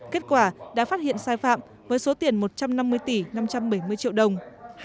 kết quả đã phát hiện sai phạm với số tiền một trăm năm mươi tỷ năm trăm bảy mươi triệu đồng